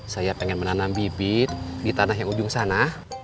saya ingin menanam bibit di tanah yang ujung sana